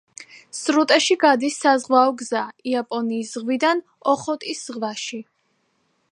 სრუტეში გადის საზღვაო გზა იაპონიის ზღვიდან ოხოტის ზღვაში.